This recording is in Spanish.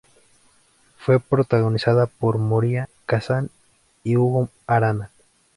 Fue protagonizada por Moria Casan y Hugo Arana.